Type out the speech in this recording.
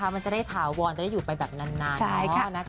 มันจะได้ถาวรจะได้อยู่ไปแบบนาน